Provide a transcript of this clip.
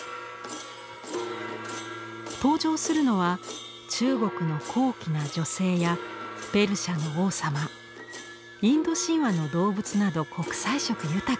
登場するのは中国の高貴な女性やペルシャの王様インド神話の動物など国際色豊か。